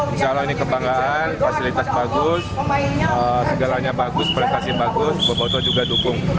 insya allah ini kebanggaan fasilitas bagus segalanya bagus prestasi bagus boboto juga dukung